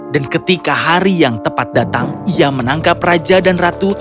dan ketika hari yang tepat datang ia menangkap raja dan ratu